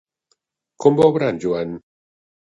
Com va obrar en Joan?